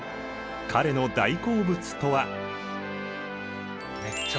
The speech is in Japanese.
彼の大好物とは？